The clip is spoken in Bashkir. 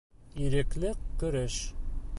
Ирекле көрәш